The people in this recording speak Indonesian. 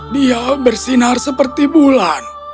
dia bersinar seperti bulan